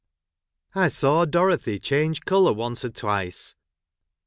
| I saw Dorothy change colour once or twice.